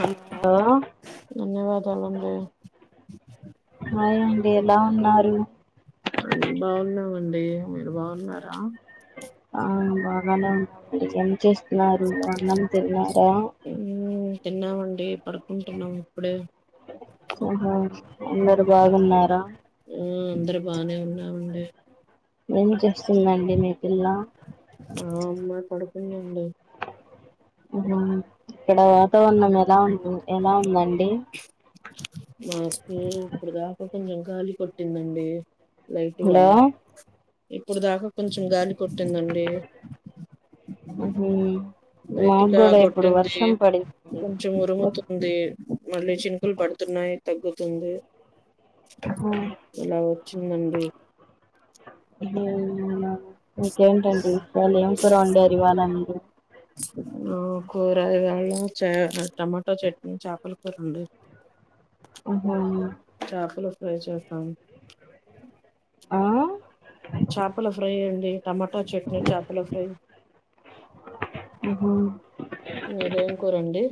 Hello ధన్యవాదాలండి అయ్ అండి ఎలా ఉన్నారు అ బాగున్నామండి మీరు బాగున్నారా ఆ బాగానే ఉన్నామండి ఏం చేస్తున్నారు అన్నం తిన్నారా ఉమ్మ్ తిన్నామండి పడుకుంటున్నాం ఇప్పుడే ఆహా అందరు బాగున్నారా హు అందరు బానే ఉన్నామండి ఏం చేస్తుందండి మీ పిల్ల మా అమ్మాయి పడుకుందండి ఆహా ఇక్కడ వాతావరణం ఎలా ఉంది ఎలా ఉందండి మాకి ఇప్పుడు దాకా కొంచెం గాలి కొట్టిందండి లైట్‌గా హలో ఇప్పుడు దాకా కొంచెం గాలి కొట్టిందండి మ్మ్ఉహ్మ్ లైట్ గా మాక్కూడా ఇప్పుడు కొట్టింది వర్షం పడిం కొంచెం ఉరుముతుంది మళ్ళీ చినుకులు పడుతున్నాయి తగ్గుతుంది హా ఇలా వచ్చిందండి ఊ ఇంకేంటండి ఇవాళ ఏం కూర ఓండారు ఇవాళ మీరు ఓ కూరయగా చ టమాటా చట్నీ చేపల కూరోన్డారు ఉహు చాపల ఫ్రై చేస్తాను ఆ చాపల ఫ్రై అండి టమాటా చట్నీ చాపల ఫ్రై ఆహా మీదేం కూర అండి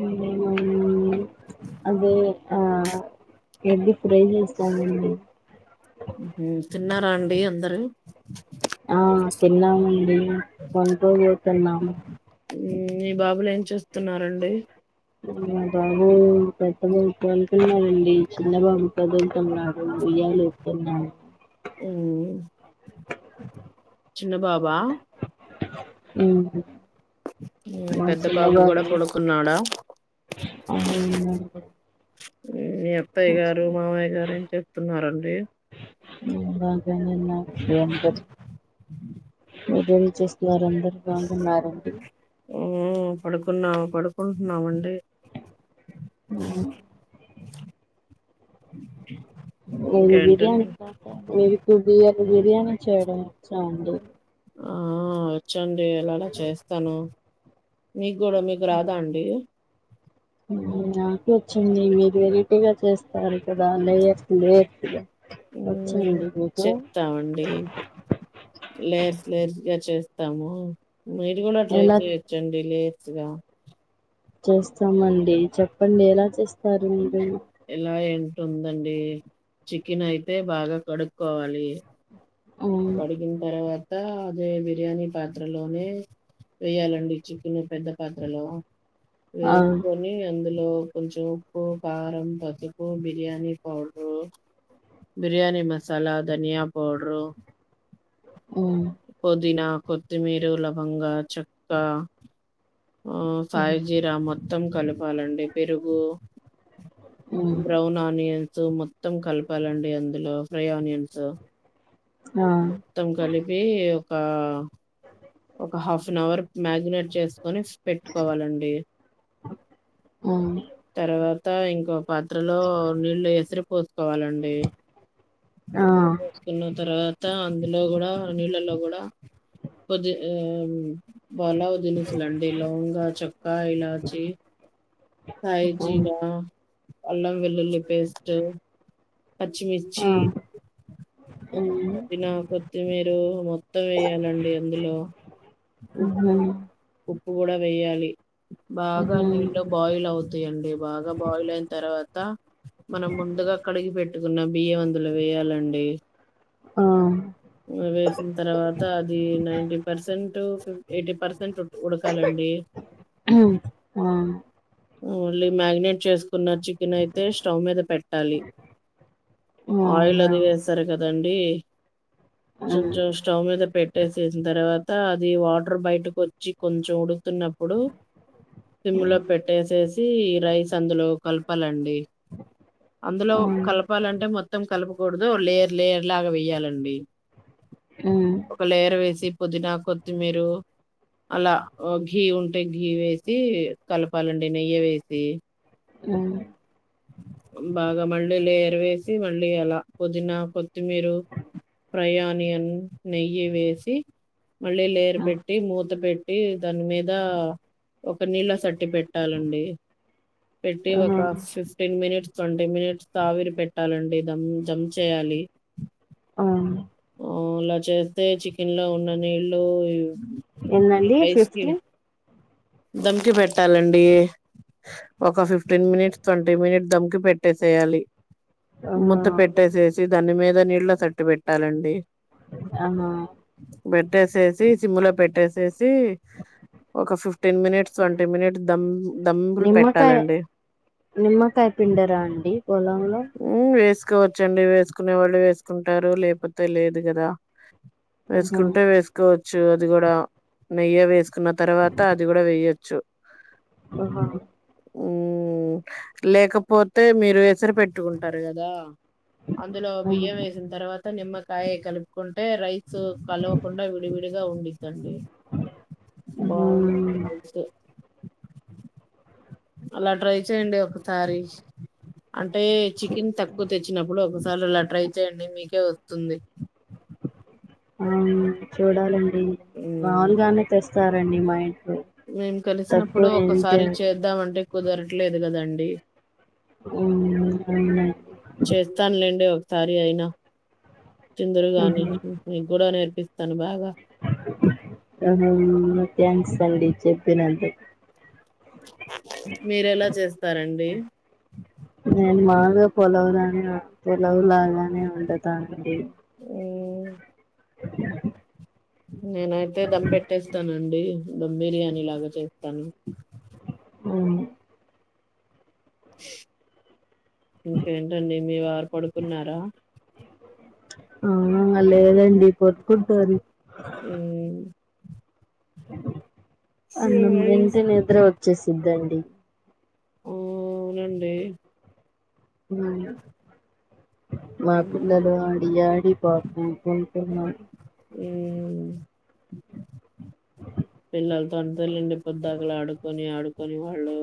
మేమూ అదీ ఆ ఎగ్ని ఫ్రై చేస్తామండి ఉ తిన్నారా అండి అందరూ ఆ తిన్నామండి పనుకోబోతున్నాము ఉమ్ మీ బాబులు ఏం చేస్తున్నారండి ఉ మా బాబూ పెద్ద బాబు పన్కున్నాడండి చిన్న బాబు కదుల్తున్నాడు ఉయ్యాల ఊప్ తున్నా ఊ చిన్న బాబా ఉహు మా చిన్న బాబు ఉన్నాడ అవునండి మీ అత్తయ్య గారు మామయ్య గారు ఎన్ చేస్తున్నారండి ఉ బాగానే ఉన్న ఏం చేత మీరెంచేస్తున్నారాండి అందరు బాగున్నారు అండి ఉ పడుకున్నాం పడుకుట్నామండి ఉ నేను బిర్యానీ ఇంకేంటండి చేత మీరు బిర్యానీ చేయడం వచ్చా అండి ఆ చందేయాల అడ చేస్తాను మీగుడా మీకు రాదా అండి ఉ నాకు ఓచ్చంది మీరు వెరైటీగా చేస్ తారే కదా లేయర్స్ లేయర్స్ గా వచ్చాండి మీకు లేయర్ లేయర్స్ గా చేస్తాము మీరు కూడా ట్రై ఎలా చేయ చ్చండి లేయర్స్ గా చేస్తామండి చెప్పండి ఎలా చేస్తారు మీరు ఎలా ఏంటుందండి చికెన్ అయితే బాగా కడుక్కోవాలీ ఆ కడిగిన్ తర్వాతా అదే బిర్యానీ పాత్రలోనే వేయాలండి చికెను పెద్ద పాత్రలో ఆ వెస్కో ని అందులో కొంచెం ఉప్పు కారం పసుపు బిర్యానీ పౌడ్రు బిర్యానీ మసాలా ధనియా పౌడ్రూ ఉ పుదీనా కొత్తిమీరు లవంగా చెక్క సాయిజీర మొత్తం కలపాలండి పెరుగు ఉమ్ బ్రౌన్ ఆనియన్సు మొత్తం కలపాలండి అందులో ఫ్రై ఆనియన్సు ఆ మొత్తం కలిపీ ఒకా ఒక హాఫ్ అన్ అవర్ మ్యారినేట్ చేసుకొని పెట్టుకోవాలండి అవును తర్వాత ఇంకో పాత్రలో నీళ్లు ఎసిరి పోసుకోవాలండి ఆ చేసుకున్న తర్వాత అందులో కూడా నీళ్ళలో కూడా కొది ఆ బాలా దినుసుల అండి లవంగా చెక్కా ఇలాచి కాయి ఉమ్ జీరా అల్లం వెల్లుల్లి పేస్ట్ పచ్చిమిర్చి ఆ ఉమ్ దినా కొత్తిమీరు ము మొత్తం వేయాలండి అందులో ఉప్పు ఉప్పు కూడా వేయాలి ఉహు బాగా ఉహు నీళ్లు బాయిల్ అవుతాయండి బాగా బాయిల్ అయిన తర్వాత మనం ముందుగా కడిగి పెట్టుకున్న బియ్యం అందులో వేయాలండి ఆ వేసిన తర్వాత అది నైన్ టీ ఎయిటీ పర్సెంట్ ఉడకాలండి ఉ ఆ ఓన్లీ మ్యాగినేట్ చేసుకున్న చికెన్ అయితే స్టవ్ మీద పెట్టాలి ఆయిల్ లో అవునా అది వేస్తారు కదండి కొంచం ఉమ్ స్టవ్ మీద పెట్టేసిన్ తర్వాత అది వాటర్ బయటకు వచ్చి కొంచెం ఉడుకుతున్నప్పుడు సిమ్ లో పెట్ పెట్టేసేసి ఈ రైస్ అందులో కలపాలండి అందులో ఆ కలపాలంటే మొత్తం కలపకూడదు లేయర్ లేయర్ లాగా వేయాలండి ఊ ఒక లేయర్ వేసి పుదీనా కొతిమీరు అలా గీ ఉంటే గి వేసి కలపాలండి నెయ్యి వేసి ఆ బాగా మళ్ళీ లేరవేసి మళ్ళీ అలా పుదీనా కొత్తిమీరు ప్రయాణియన్ నెయ్యి వేసి మళ్ళీ లేరు పెట్టి పెట్టి మూత పెట్టి దాని మీద ఒక నీళ్ళ సట్టి పెట్టాలండి పెట్టి ఒక ఆహా fifteen minutes twenty minutes తావిరి పెట్టాలండి దమ్ జం చేయాలి ఆ ఆ ఇలా చేస్తే చికెన్ లో ఉన్న నీలు ఎందండి ఫిఫ్టీన్ దమ్కి పెట్టాలండి ఒక ఫిఫ్టీన్ మినిట్స్ ట్వంటీ మినిట్స్ దమ్కి పె పెట్టేసేయాలి ఆహా ముత పెట్టేసేసి దాని మీద నీళ్ళ తట్టు పెట్టాలండి ఆహ పెట్టేసేసి సిమ్లో పెట్టేసేసి ఒక fifteen minutes twenty minutes dum దమ్బలు నిమ్మకాయ పెట్టాలండి నిమ్మకాయ పిండరా అండి పొలంలో ఊ వేసుకోవచ్చండి వేసుకునే వాళ్ళు వేసుకుంటారు లేకపోతే లేదు కదా ఆహా వేసుకుంటే వేసుకోవచ్చు అది కూడా నెయ్యి వేసుకున్న తర్వాత అది కూడా వేయొచ్చు ఆహా ఉం లేకపోతే మీరు వెసరి పెట్టుకుంటారు కదా అందులో ఉమ్ బియ్యం వేసిన తర్వాత అత్త నిమ్మకాయ కలుపుకుంటే రైస్ కలవకుండా విడివిడిగా ఉండిద్దండి బాగుంది ఉమ్ అయితే అలా ట్రై చేయండి ఒకసారి అంటే చికెన్ తక్కువ తెచ్చినప్పుడు ఒకసారి అలా ట్రై చెయండి మీకే వస్తుంది ఆ చూడాలండి మ్మ్ మాములుగానే తెస్తారండి మా ఇంట్లో మేము కలిసినప్పుడు తక్కువనే ఒకసారి చేద్దాం అంటే కుదరట్లేదు కదండి ఉమ్ అంతేగా చేస్తానులేండి ఒకసారి అయిన తిందురు గాని నీకూడ నేర్పిస్తాను బాగా ఆహా థాంక్స్ అండి చెప్పినందు మీరేలా చేస్తారండి నేను బాగా పొలవులని పోలవులాగానే వండుతానండి ఉమ్ నేనైతే దమ్ పెట్టేస్తానండి దమ్ బిర్యానీ లాగా చేస్తాను ఉ ఇంకేంటండి మీ వారు పడుకున్నారా ఆ లేదండి పడుకుంటారి ఉ అన్నం తింటే నిద్ర వచ్చేసిద్దండి అవునండి ఉమ్ మా మ్మ్. పిల్లలు ఆడి ఆడి పా పనుకుంటున్నారు ఊ పిల్లలతో అంతెల్లెండి పొద్దాకల ఆడుకొని ఆడుకొని వాళ్ళు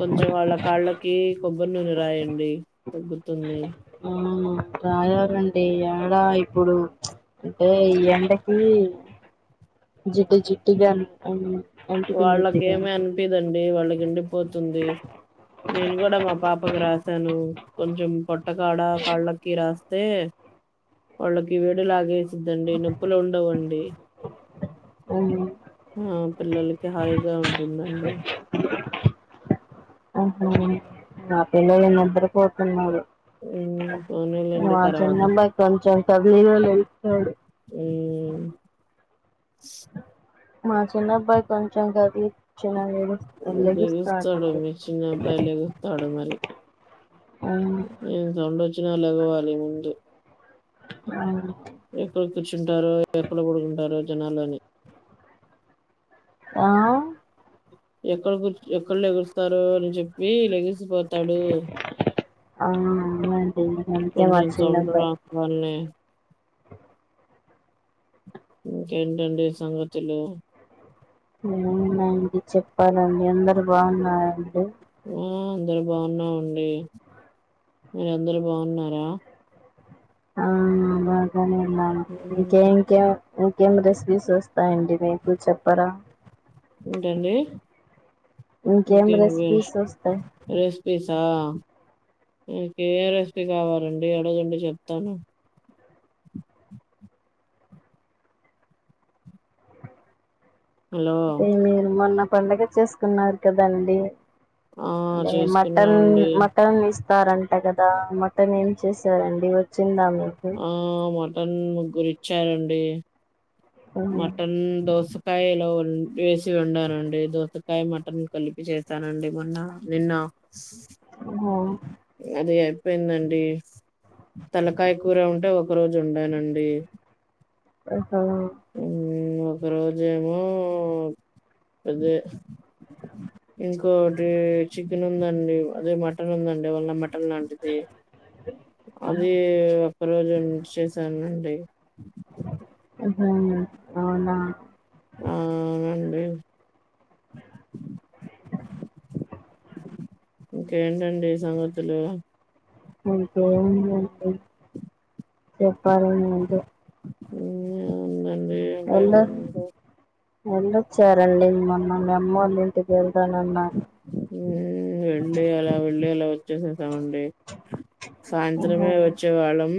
కొంచెం వాళ్ళ కాళ్ళకి కొబ్బరి నూనె రాయండి తగ్గుతుంది ఆ రాయలండి యాడ ఇప్పుడు అంటే ఈ ఎండకి జిడ్డు జిడ్డుగా అన్ అంటుకున్నట్టుగ లేదండి వాళ్ళకి ఎండిపోతుంది నేను కూడా మా పాపకి రాసాను కొంచెం పట్ టకాడా కాళ్ళకి రాస్తే వాళ్ళకి వేడి లాగేస్ తుంది నొప్పులు ఉండవండి అవును ఆ పిల్లలకి హాయిగా ఉంటుందండి ఆహా నా పిల్లలు నిద్రపోతున్నారు మ్మ్ పోనీలేండి మా తర్వాత చిన్నబ్బాయి కొంచెం కదిలిన లేస్తాడు ఊ మా చిన్నబ్బాయి కొంచెం కదిలి చిన లేడు లేగుస్తా లెగుస్తాడు ఉంటడు మీ చిన్న అబ్బాయి లెగుస్తాడు ఆ నేను సౌండోచ్చిన లెగవాలి ముందు అవును ఎక్కడ కూర్చుంటారో ఎక్కడ పడుకుంటారో జనాల్లోని ఆ ఎక్కడ కూర్చ్ ఎక్కడ్ లేగుస్తారో అన్ చెప్పి లెగిసిపో తడు అవునండి అంతే మా కొంచెం సౌండ్ చిన్నబ్బాయి రాంగాల్నే ఇంకేంటండి సంగతులు ఏమున్నాయండి చెప్పాలండి అందరు బావున్నారఅండి ఆ అందరు బావున్నామండి మీరందరు బావున్నారా ఆ బాగానేవున్నం మ్మ్ ఇంకేం ఇంకేం ఇంకేం రెసిపీస్ వస్తాయండి మీకు చెప్పరా ఏంటండి ఇంకేం ఇంకే మి రెసిపీస్ వస్తాయి రెసిపీసా మీకే ఏ రెసిపీ కావాలండి అడగండి చెప్తాను హలో అంటే మీరు మొన్న పండగ చేస్ కున్నారు కదండి ఆ అదే మటన్ చేసుకున్నామండి మటన్ ఇస్ స్తారంట కదా మటన్ ఏం చేసారండి వచ్చిందా మీకు ఆ మటన్ ముగ్గురిచ్చారండి మటన్ దోస్ సకాయలో వేసి వండానండి దోసకాయ మటన్ కలిపి చేశానండి మొన్న నిన్న ఓహో అది అయిపోయిందండి తలకాయ కూర ఉంటే ఒక రోజు ఉండనండి ఆహా హ్మ్ ఒక రోజేమో అదే ఇంకోటి చికెన్ ఉందండి అదే మటన్ ఉందండి వాళ మటన్ ట అది అది ఒక్కరోజే చేశానండి ఆహా అవునా ఆ అవునండి ఇంకేంటండి సంఘతులు ఇంకేముంది అండి చెప్పాలమ్డి మీరే ఏమి ఉంది అండి ఏం లేదు వెళ్ళు వెళ్ళొచ్చారండి మొన్న మీఅమ్మోళ్ళ ఇంటికి వెల్తానన్నారు హు వెళ్ళి అలా వెళ్ళి ఇలా వచ్చేసేసామండి ఓహో సాయంత్రమే వచ్చేవాళ్ళం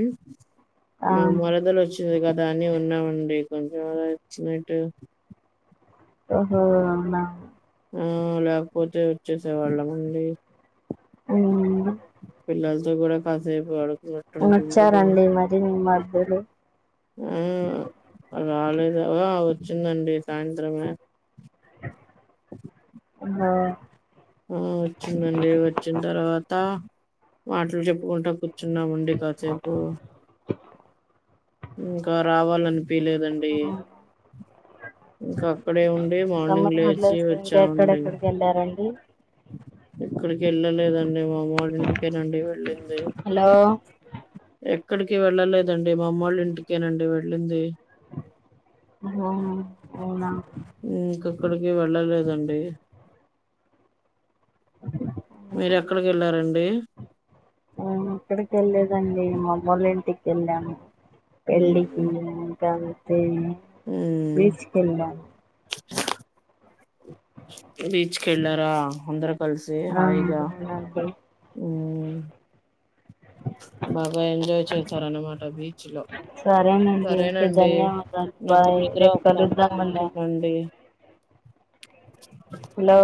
ఆ మా మరదలొచ్ వ కదా అని ఉన్నామండి కొంచెం అలా వచ్చినట్టు ఓహో అవునా ఆ లేపోతే వచ్చేసే వాళ్ళ మండి అవునండి పిల్లల్ తో కూడా కాసేపు ఆడు వచ్చారండి మరి మి మర్ దలు ఆ రాలేదవా ఆ వచ్చిందండి సాయంత్రమే ఒహో ఆ వచ్చిందండి వచ్చిన్ తర్వాత మాటల్ చెప్పుకుంటా కు కూర్చున్నామండి కాసేపు ఇంకా రావాలనిపిలేదండి ఇంకా అక్కడే ఉండి మార్నింగ్ సమ్మర్ లేచి హాలిడేస్ ఇంకా వచ్చమండీ ఎక్కడెక్కడికి వెళ్ళారండి ఎక్కడికి ఎళ్ళలేదండి మాఅమ్మ వాల్ల ఇంటికే నండీ వెళ్ళింది హలో ఎక్కడికి వెళ్ళలేదండి మాఅమ్మోల్ల ఇంటికేనండి వెళ్ళింది అవునవును ఇంకెక్కడికి వెళ్ళలేదండి మీరెక్కడికి వెళ్ళారండి ఎక్కడికి వెళ్ళలేదండి మా అమ్మోలింటికి వెళ్ళాము పెళ్లికి ఎల్లిన తరవాత బీచ్కెళ్లాం బీచ్ కెళ్లార అందరు కల్సి ఆ హాయ్ గా అవునండి హ బాగా ఎంజాయ్ చేశారనమాట బీచ్ లో సరేనండి ఓకే సరేనండి ధన్యవాదాలు నాకు బాయ్ నిద్ర రేపు వస్తుంది కలుద్దామండి ఉంటానండి హలో